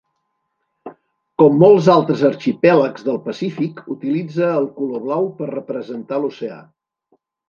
Com molts altres arxipèlags del Pacífic, utilitza el color blau per representar l'oceà.